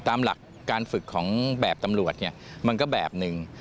ตามหลักการฝึกของแบบตำรวจเนี่ยมันก็แบบหนึ่ง